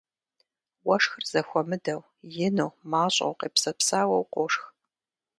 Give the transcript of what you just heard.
Уэшхыр зэхуэмыдэу, ину, мащӀэу, къепсэпсауэу, къошх.